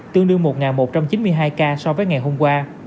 tương đương một một trăm chín mươi hai ca so với ngày hôm qua